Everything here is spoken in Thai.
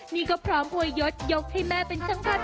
นี่ก็พร้อมอวยยศยกให้แม่เป็นช่างภาพ